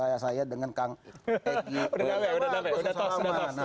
udah tas udah tas